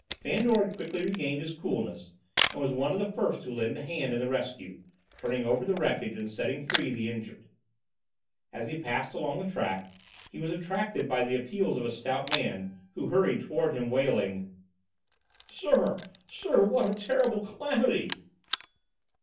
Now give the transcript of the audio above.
Fandor had quickly regained his coolness, and was one of the first to lend a hand in the rescue, turning over the wreckage and setting free the injured. As he passed along the track, he was attracted by the appeals of a stout man, who hurried toward him, wailing: "Sir! Sir! What a terrible calamity!"